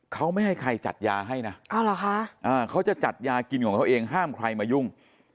เขาไม่ให้ใครจัดยาให้นะเขาจะจัดยากินของเขาเองห้ามใครมายุ่ง